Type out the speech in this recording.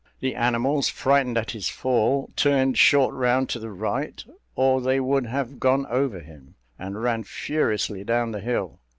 The animals, frightened at his fall, turned short round to the right, or they would have gone over him, and ran furiously down the hill.